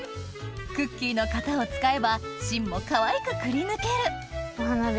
クッキーの型を使えば芯もかわいくくりぬけるお花で。